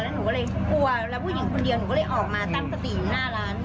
หนูก็เลยกลัวแล้วผู้หญิงคนเดียวหนูก็เลยออกมาตั้งสติอยู่หน้าร้าน